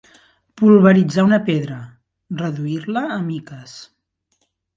Polvoritzar una pedra, reduir-la a miques.